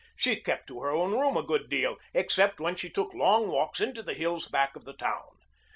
She kept to her own room a good deal, except when she took long walks into the hills back of the town.